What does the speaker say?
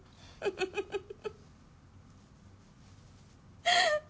フフフフフ。